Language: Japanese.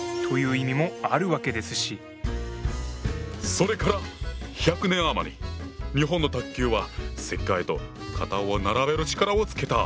それから１００年余り日本の卓球は世界と肩を並べる力をつけた。